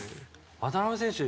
渡邊選手